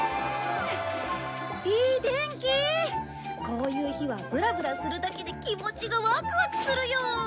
こういう日はブラブラするだけで気持ちがワクワクするよ！